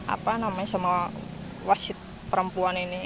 apa namanya sama wasit perempuan ini